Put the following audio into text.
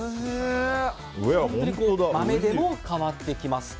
豆でも変わってきますと。